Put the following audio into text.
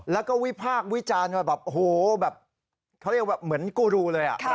แล้วก็วิพากษ์วิจารณ์ว่าแบบโอ้โหแบบเขาเรียกว่าเหมือนกูรูเลย